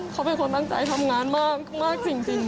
เขาเป็นคนตั้งใจทำงานมากจริง